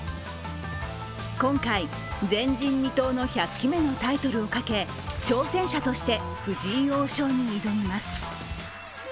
今回、前人未到の１００期目のタイトルをかけ挑戦者として藤井王将に挑みます。